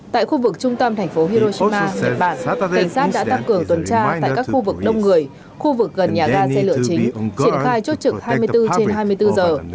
tại khu vực trung tâm thành phố hiroshima nhật bản cảnh sát đã tăng cường tuần tra tại các khu vực đông người khu vực gần nhà ga xe lửa chính triển khai chốt trực hai mươi bốn trên hai mươi bốn giờ